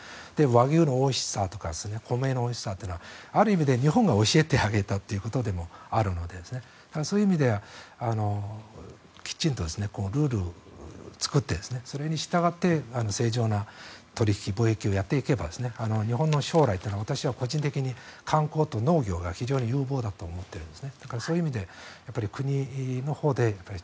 和牛のおいしさとか米のおいしさはある意味で日本が教えてあげたということでもあるのでそういう意味ではきちんとルールを作ってそれに従って正常な取引貿易をやっていけば日本の将来は、私は個人的に観光と農業が非常に有望だと思っているんです。